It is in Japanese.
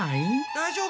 大丈夫？